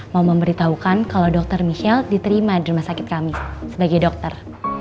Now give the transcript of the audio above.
mau memberitahukan kalau dokter michelle diterima di rumah sakit kami sebagai dokter